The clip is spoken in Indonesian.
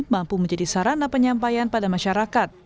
mampu menjadi sarana penyampaian pada masyarakat